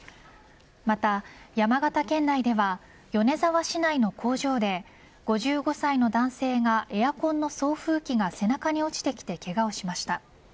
また、山形県内では米沢市内の工場で５５歳の男性がエアコンの送風機が背中に落ちてきて、けがをしました。